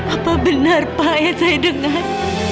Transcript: apa benar pak yang saya dengar